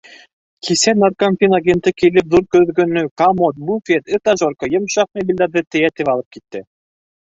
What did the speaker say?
Кисә наркомфин агенты килеп, ҙур көҙгөнө, комод, буфет, этажерка, йомшаҡ мебелдәрҙе тейәтеп алып китте.